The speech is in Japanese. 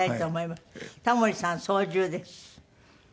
タモリさん操縦です。